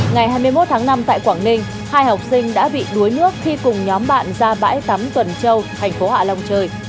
ngày hai mươi một tháng năm tại quảng ninh hai học sinh đã bị đuối nước khi cùng nhóm bạn ra bãi tắm tuần châu thành phố hạ long chơi